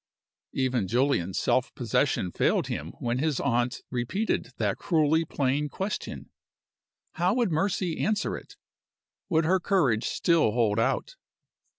Even Julian's self possession failed him when his aunt repeated that cruelly plain question. How would Mercy answer it? Would her courage still hold out?